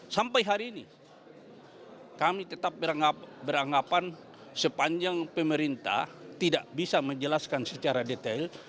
sampai hari ini kami tetap beranggapan sepanjang pemerintah tidak bisa menjelaskan secara detail